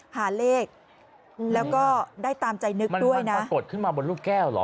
หาเลขแล้วก็ได้ตามใจนึกด้วยนะปรากฏขึ้นมาบนลูกแก้วเหรอ